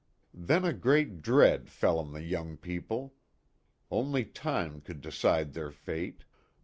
Then a great dread fell on the young people. Only time could decide their fate.